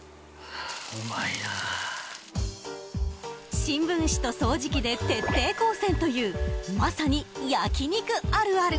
新聞紙と掃除機で徹底抗戦というまさに焼き肉あるある。